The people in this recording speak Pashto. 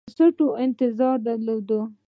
بریسټو انتظار درلود.